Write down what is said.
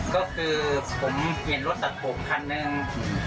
ก็คือผมเห็นรถตัดผมคันหนึ่ง